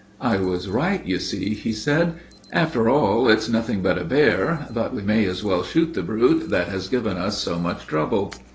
"I was right, you see," he said. "After all, it nothing but a bear; but we may as well shoot the brute that has given us so much trouble."